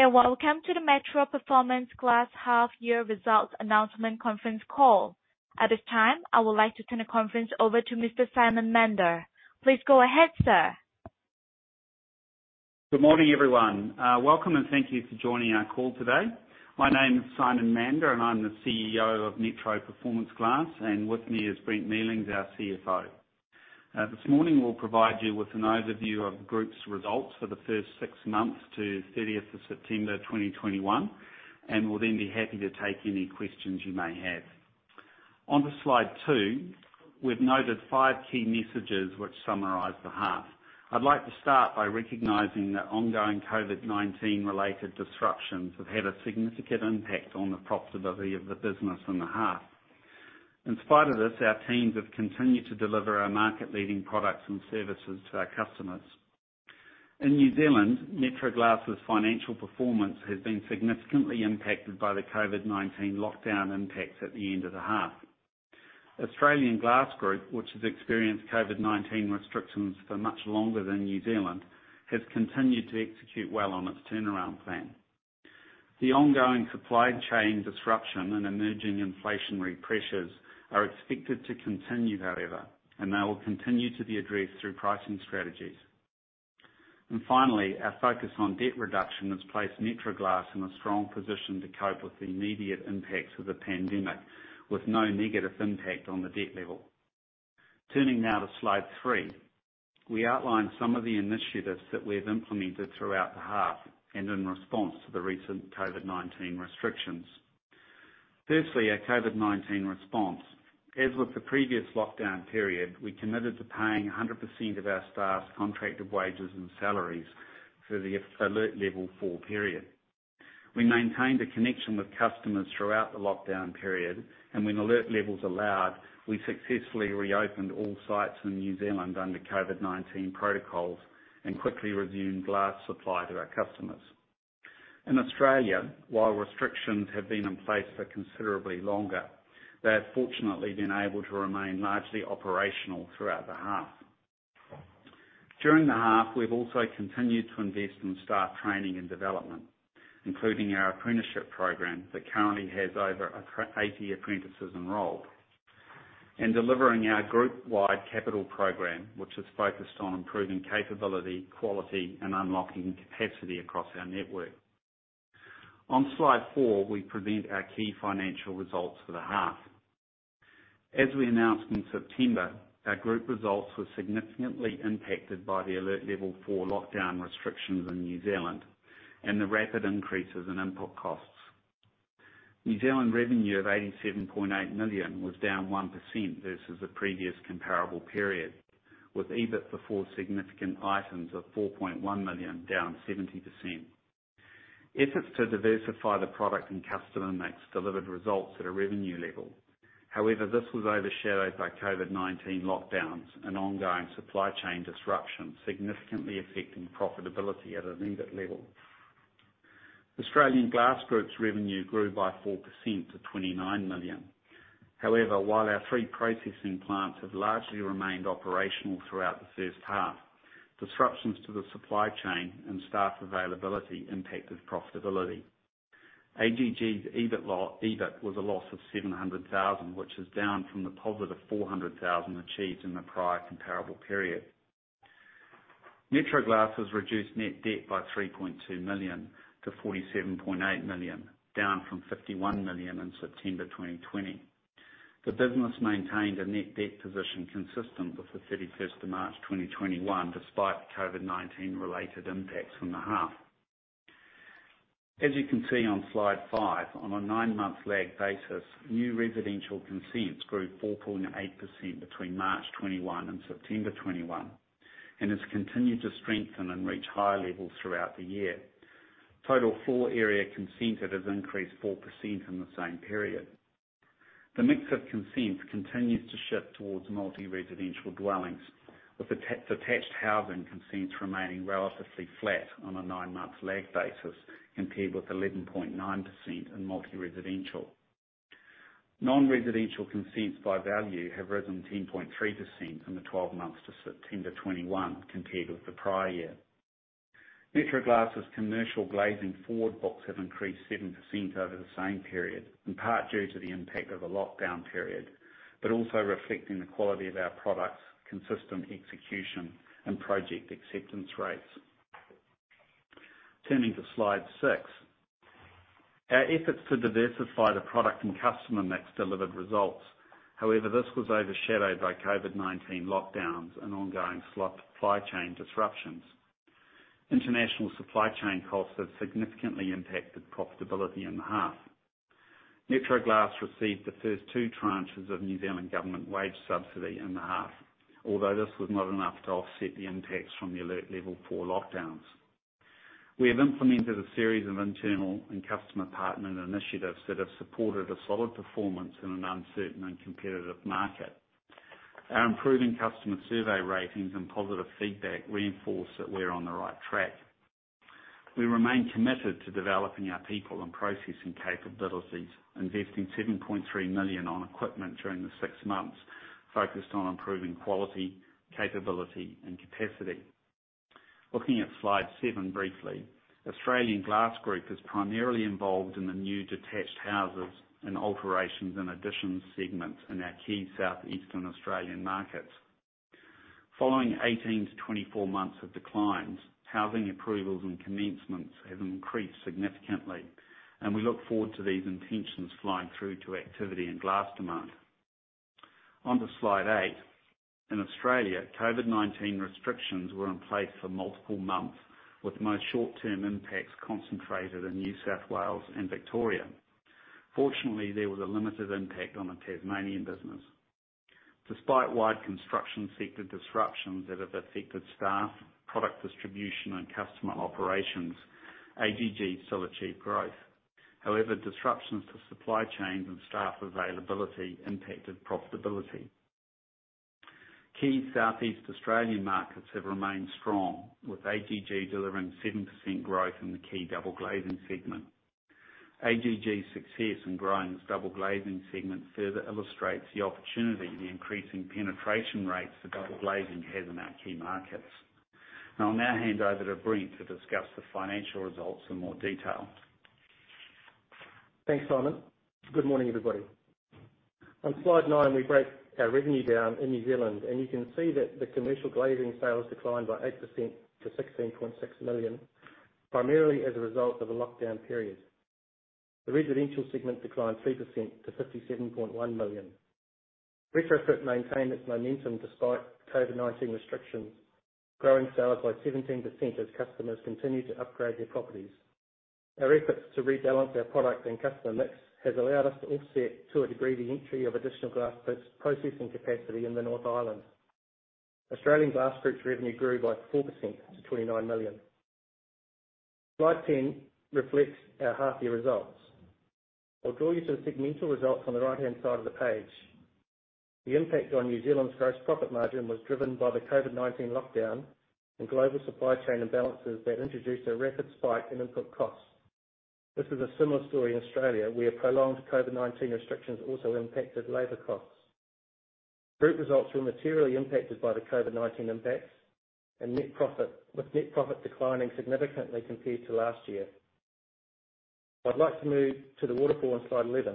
Good day. Welcome to the Metro Performance Glass half year results announcement conference call. At this time, I would like to turn the conference over to Mr. Simon Mander. Please go ahead, sir. Good morning, everyone. Welcome, and thank you for joining our call today. My name is Simon Mander, and I'm the CEO of Metro Performance Glass, and with me is Brent Mealings, our CFO. This morning we'll provide you with an overview of the group's results for the first six months to thirtieth of September, 2021, and we'll then be happy to take any questions you may have. On to slide two, we've noted five key messages which summarize the half. I'd like to start by recognizing that ongoing COVID-19 related disruptions have had a significant impact on the profitability of the business in the half. In spite of this, our teams have continued to deliver our market-leading products and services to our customers. In New Zealand, Metro Glass's financial performance has been significantly impacted by the COVID-19 lockdown impacts at the end of the half. Australian Glass Group, which has experienced COVID-19 restrictions for much longer than New Zealand, has continued to execute well on its turnaround plan. The ongoing supply chain disruption and emerging inflationary pressures are expected to continue however, and they will continue to be addressed through pricing strategies. Finally, our focus on debt reduction has placed Metro Glass in a strong position to cope with the immediate impacts of the pandemic with no negative impact on the debt level. Turning now to slide three. We outlined some of the initiatives that we've implemented throughout the half and in response to the recent COVID-19 restrictions. Firstly, our COVID-19 response. As with the previous lockdown period, we committed to paying 100% of our staff's contracted wages and salaries through the Alert Level four period. We maintained a connection with customers throughout the lockdown period, and when alert levels allowed, we successfully reopened all sites in New Zealand under COVID-19 protocols and quickly resumed glass supply to our customers. In Australia, while restrictions have been in place for considerably longer, they have fortunately been able to remain largely operational throughout the half. During the half, we've also continued to invest in staff training and development, including our apprenticeship program that currently has over 80 apprentices enrolled, in delivering our group-wide capital program, which is focused on improving capability, quality, and unlocking capacity across our network. On slide four, we present our key financial results for the half. As we announced in September, our group results were significantly impacted by the Alert Level four lockdown restrictions in New Zealand and the rapid increases in input costs. New Zealand revenue of 87.8 million was down 1% versus the previous comparable period with EBIT before significant items of 4.1 million down 70%. Efforts to diversify the product and customer mix delivered results at a revenue level. However, this was overshadowed by COVID-19 lockdowns and ongoing supply chain disruption, significantly affecting profitability at an EBIT level. Australian Glass Group's revenue grew by 4% to 29 million. However, while our three processing plants have largely remained operational throughout the first half, disruptions to the supply chain and staff availability impacted profitability. AGG's EBIT was a loss of 700,000, which is down from the positive 400,000 achieved in the prior comparable period. Metro Glass has reduced net debt by 3.2 million-47.8 million, down from 51 million in September 2020. The business maintained a net debt position consistent with the 31st of March 2021, despite the COVID-19 related impacts in the half. As you can see on slide five, on a nine-month lag basis, new residential consents grew 4.8% between March 2021 and September 2021 and has continued to strengthen and reach higher levels throughout the year. Total floor area consented has increased 4% in the same period. The mix of consents continues to shift towards multi-residential dwellings, with detached housing consents remaining relatively flat on a nine-month lag basis compared with 11.9% in multi-residential. Non-residential consents by value have risen 10.3% in the 12 months to September 2021 compared with the prior year. Metro Glass' commercial glazing forward books have increased 7% over the same period, in part due to the impact of the lockdown period, but also reflecting the quality of our products, consistent execution, and project acceptance rates. Turning to slide six. Our efforts to diversify the product and customer mix delivered results. However, this was overshadowed by COVID-19 lockdowns and ongoing global supply chain disruptions. International supply chain costs have significantly impacted profitability in half. Metro Glass received the first two tranches of New Zealand government wage subsidy in the half, although this was not enough to offset the impacts from the Alert Level four lockdowns. We have implemented a series of internal and customer partner initiatives that have supported a solid performance in an uncertain and competitive market. Our improving customer survey ratings and positive feedback reinforce that we're on the right track. We remain committed to developing our people and processing capabilities, investing 7.3 million on equipment during the six months. Focused on improving quality, capability, and capacity. Looking at slide seven briefly. Australian Glass Group is primarily involved in the new detached houses and alterations and additions segments in our key southeastern Australian markets. Following 18-24 months of declines, housing approvals and commencements have increased significantly, and we look forward to these intentions flowing through to activity and glass demand. On to slide eight. In Australia, COVID-19 restrictions were in place for multiple months, with most short-term impacts concentrated in New South Wales and Victoria. Fortunately, there was a limited impact on the Tasmanian business. Despite wide construction sector disruptions that have affected staff, product distribution, and customer operations, AGG still achieved growth. However, disruptions to supply chains and staff availability impacted profitability. Key Southeast Australian markets have remained strong, with AGG delivering 7% growth in the key double glazing segment. AGG's success in growing its double glazing segment further illustrates the opportunity the increasing penetration rates for double glazing has in our key markets. I'll now hand over to Brent to discuss the financial results in more detail. Thanks, Simon. Good morning, everybody. On slide 9, we break our revenue down in New Zealand, and you can see that the commercial glazing sales declined by 8% to 16.6 million, primarily as a result of the lockdown period. The residential segment declined 3% to 57.1 million. Retrofit maintained its momentum despite COVID-19 restrictions, growing sales by 17% as customers continued to upgrade their properties. Our efforts to rebalance our product and customer mix has allowed us to offset to a degree the entry of additional glass pre-processing capacity in the North Island. Australian Glass Group's revenue grew by 4% to 29 million. Slide 10 reflects our half-year results. I'll draw you to the segmental results on the right-hand side of the page. The impact on New Zealand's gross profit margin was driven by the COVID-19 lockdown and global supply chain imbalances that introduced a rapid spike in input costs. This is a similar story in Australia, where prolonged COVID-19 restrictions also impacted labor costs. Group results were materially impacted by the COVID-19 impacts, and with net profit declining significantly compared to last year. I'd like to move to the waterfall on slide 11.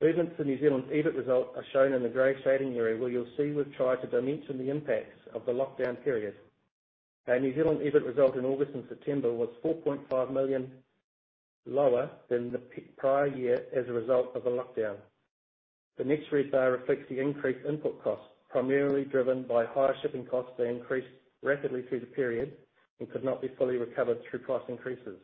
Movements in New Zealand's EBIT results are shown in the gray shading area, where you'll see we've tried to dimension the impacts of the lockdown period. Our New Zealand EBIT result in August and September was 4.5 million lower than the prior year as a result of the lockdown. The next three bars reflect the increased input costs, primarily driven by higher shipping costs that increased rapidly through the period and could not be fully recovered through price increases.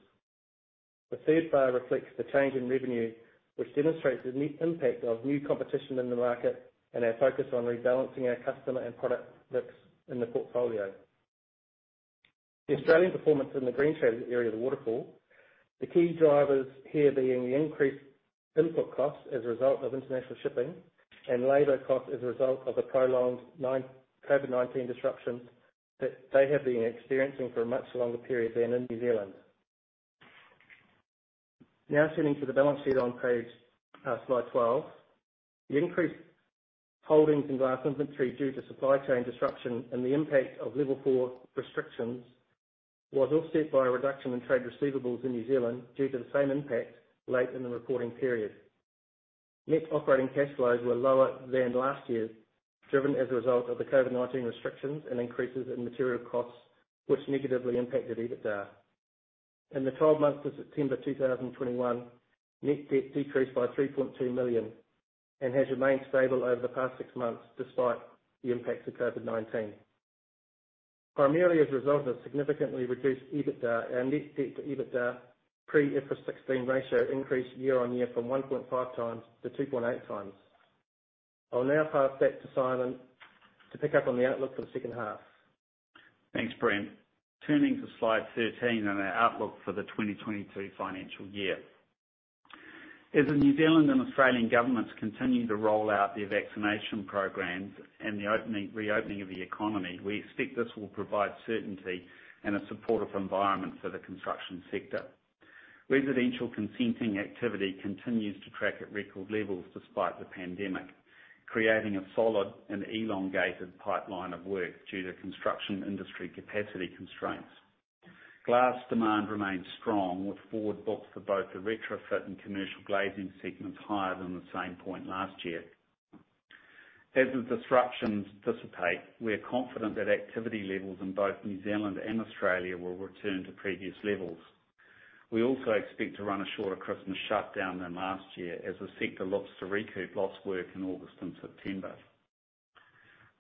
The third bar reflects the change in revenue, which demonstrates the net impact of new competition in the market and our focus on rebalancing our customer and product mix in the portfolio. The Australian performance in the green shaded area of the waterfall, the key drivers here being the increased input costs as a result of international shipping and labor costs as a result of the prolonged nine-month COVID-19 disruptions that they have been experiencing for a much longer period than in New Zealand. Now turning to the balance sheet on page, slide 12. The increased holdings in glass inventory due to supply chain disruption and the impact of Alert Level four was offset by a reduction in trade receivables in New Zealand due to the same impact late in the reporting period. Net operating cash flows were lower than last year, driven as a result of the COVID-19 restrictions and increases in material costs, which negatively impacted EBITDA. In the 12 months to September 2021, net debt decreased by 3.2 million and has remained stable over the past six months, despite the impacts of COVID-19. Primarily as a result of significantly reduced EBITDA, net debt to EBITDA pre-IFRS 16 ratio increased year-on-year from 1.5 times-2.8 times. I'll now pass back to Simon to pick up on the outlook for the second half. Thanks, Brent. Turning to slide 13 on our outlook for the 2022 financial year. As the New Zealand and Australian governments continue to roll out their vaccination programs and the reopening of the economy, we expect this will provide certainty and a supportive environment for the construction sector. Residential consenting activity continues to track at record levels despite the pandemic, creating a solid and elongated pipeline of work due to construction industry capacity constraints. Glass demand remains strong with forward books for both the retrofit and commercial glazing segments higher than the same point last year. As the disruptions dissipate, we are confident that activity levels in both New Zealand and Australia will return to previous levels. We also expect to run a shorter Christmas shutdown than last year as the sector looks to recoup lost work in August and September.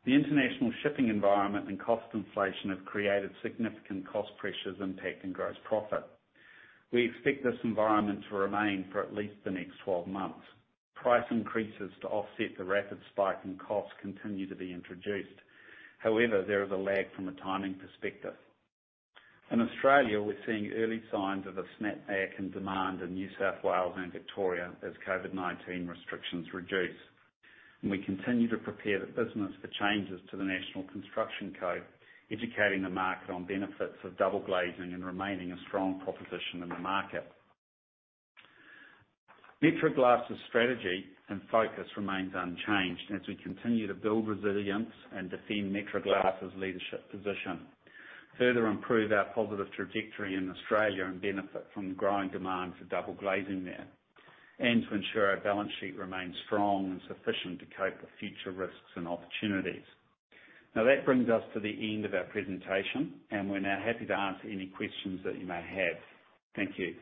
The international shipping environment and cost inflation have created significant cost pressures impacting gross profit. We expect this environment to remain for at least the next 12 months. Price increases to offset the rapid spike in costs continue to be introduced. However, there is a lag from a timing perspective. In Australia, we're seeing early signs of a snap back in demand in New South Wales and Victoria as COVID-19 restrictions reduce. We continue to prepare the business for changes to the National Construction Code, educating the market on benefits of double glazing and remaining a strong proposition in the market. Metro Glass' strategy and focus remains unchanged as we continue to build resilience and defend Metro Glass' leadership position, further improve our positive trajectory in Australia and benefit from growing demand for double glazing there. To ensure our balance sheet remains strong and sufficient to cope with future risks and opportunities. Now, that brings us to the end of our presentation, and we're now happy to answer any questions that you may have. Thank you.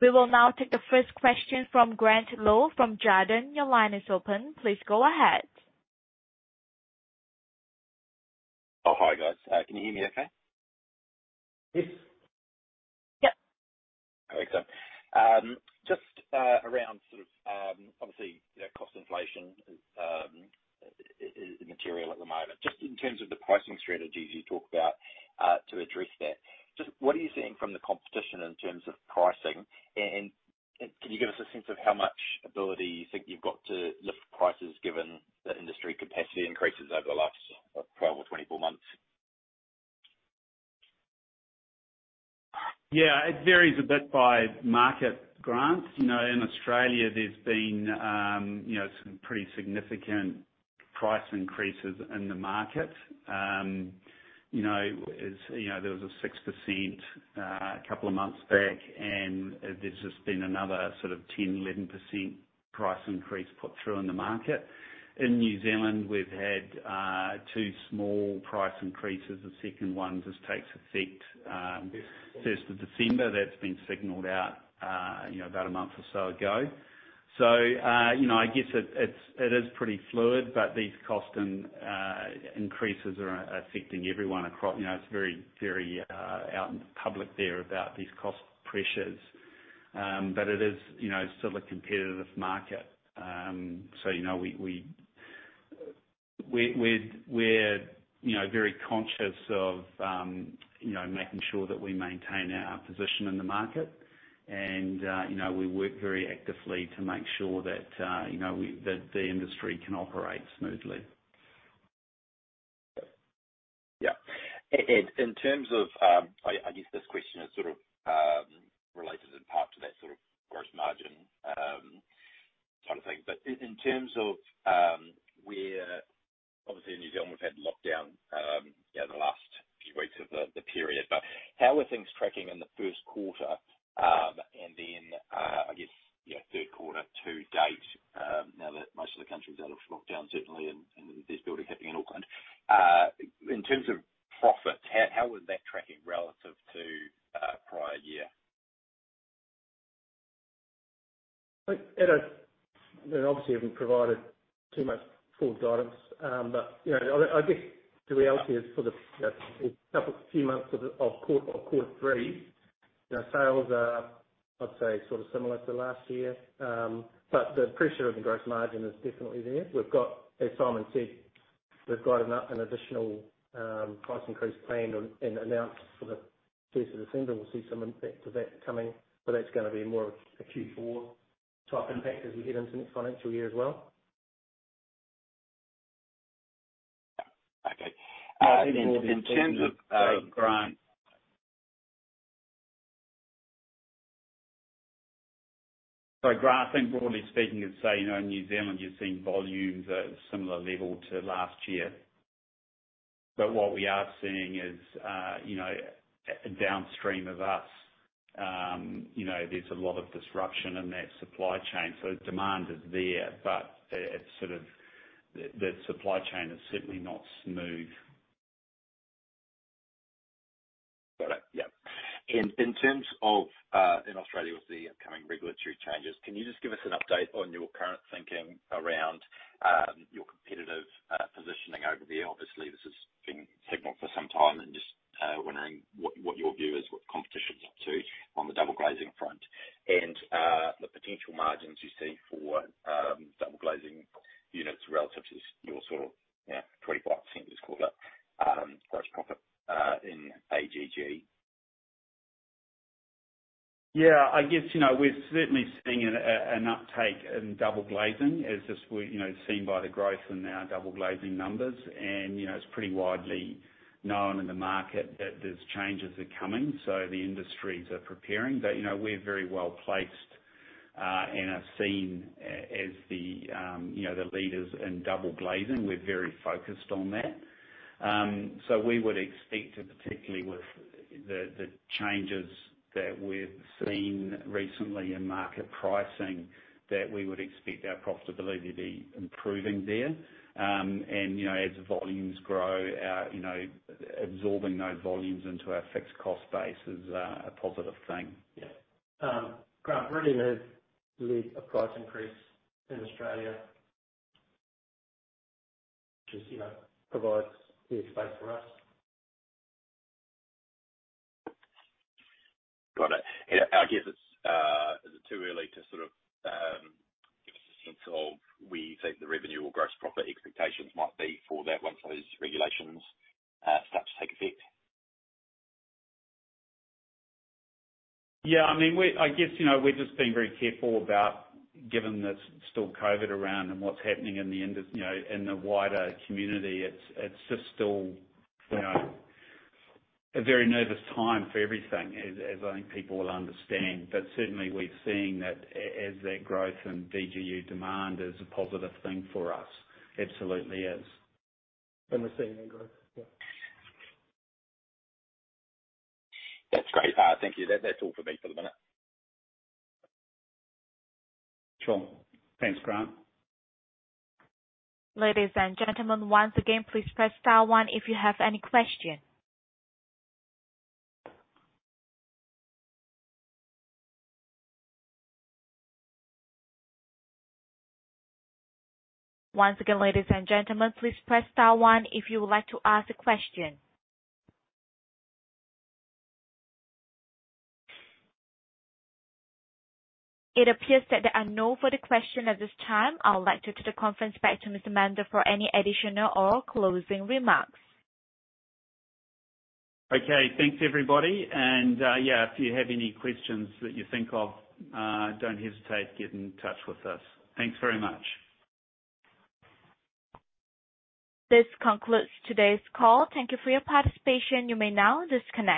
We will now take the first question from Grant Lowe from Jarden. Your line is open. Please go ahead. Oh, hi, guys. Can you hear me okay? Yes. Yep. All right. Just around sort of obviously, you know, cost inflation is material at the moment. Just in terms of the pricing strategies you talked about to address that, just what are you seeing from the competition in terms of pricing? Can you give us a sense of how much ability you think you've got to lift prices given the industry capacity increases over the last 12 or 24 months? Yeah. It varies a bit by market, Grant. You know, in Australia there's been, you know, some pretty significant price increases in the market. You know, there was a 6% a couple of months back, and there's just been another sort of 10%-11% price increase put through in the market. In New Zealand, we've had two small price increases. The second one just takes effect first of December. That's been signaled out, you know, about a month or so ago. You know, I guess it is pretty fluid, but these cost and increases are affecting everyone, you know, it's very out in the public there about these cost pressures. But it is, you know, still a competitive market. You know, we're very conscious of you know, making sure that we maintain our position in the market and you know, we work very actively to make sure that you know, that the industry can operate smoothly. Yeah. In terms of, I guess this question is sort of related in part to that sort of gross margin kind of thing. In terms of, obviously in New Zealand we've had lockdown, you know, the last few weeks of the period. How are things tracking in the first quarter, and then I guess, you know, third quarter-to-date, now that most of the country's out of lockdown, certainly, and there's building happening in Auckland. In terms of profit, how was that tracking relative to prior year? Look, you know, obviously we haven't provided too much forward guidance. You know, I guess the reality is for the couple few months of Q3, you know, sales are, I'd say, sort of similar to last year. The pressure on the gross margin is definitely there. We've got, as Simon said, an additional price increase planned on and announced for the first of December. We'll see some impact of that coming, but that's gonna be more of a Q4 type impact as we head into the next financial year as well. Okay. In terms of, Grant, I think broadly speaking of, say, in New Zealand you're seeing volumes at a similar level to last year. What we are seeing is downstream of us, there's a lot of disruption in that supply chain. Demand is there, but it's sort of the supply chain is certainly not smooth. Got it. Yeah. In terms of in Australia with the upcoming regulatory changes, can you just give us an update on your current thinking around your competitive positioning over there? Obviously, this has been signaled for some time and just wondering what your view is, what the competition's up to on the double glazing front and the potential margins you see for double glazing units relative to your sort of, you know, 25%, let's call it, gross profit in AGG? Yeah. I guess, you know, we're certainly seeing an uptake in double glazing as we've seen by the growth in our double glazing numbers. You know, it's pretty widely known in the market that there are changes coming, so the industries are preparing. You know, we're very well placed and are seen as the leaders in double glazing. We're very focused on that. We would expect to, particularly with the changes that we've seen recently in market pricing, that we would expect our profitability to be improving there. You know, as volumes grow, our absorbing those volumes into our fixed cost base is a positive thing. Yeah. Grant, we're looking to lead a price increase in Australia. Just, you know, provides clear space for us. Got it. Yeah. I guess it's. Is it too early to sort of give a sense of where you think the revenue or gross profit expectations might be for that once those regulations start to take effect? Yeah. I mean, I guess, you know, we're just being very careful about, given there's still COVID around and what's happening in the wider community, it's just still, you know, a very nervous time for everything, as I think people will understand. But certainly we're seeing that as that growth in DGU demand is a positive thing for us. Absolutely is. We're seeing that growth. Yeah. That's great. Thank you. That's all for me for the minute. Sure. Thanks, Grant. Ladies and gentlemen, once again, please press star one if you have any questions. Once again, ladies and gentlemen, please press star one if you would like to ask a question. It appears that there are no further question at this time. I would like to turn the conference back to Simon Mander for any additional or closing remarks. Okay. Thanks, everybody. Yeah, if you have any questions that you think of, don't hesitate, get in touch with us. Thanks very much. This concludes today's call. Thank you for your participation. You may now disconnect.